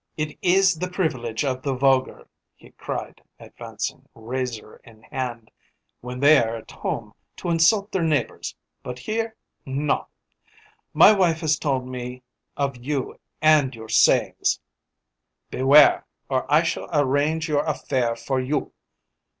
"It is the privilege of the vulgar," he cried, advancing, razor in hand, "when they are at home, to insult their neighbours, but here no! My wife has told me of you and of your sayings. Beware! or I shall arrange your affair for you!